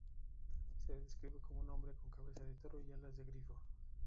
Se le describe como un hombre con cabeza de toro y alas de grifo.